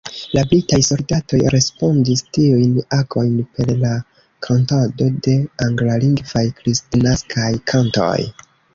La britaj soldatoj respondis tiujn agojn per la kantado de anglalingvaj kristnaskaj kantoj.